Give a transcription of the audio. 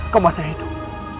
kau masih hidup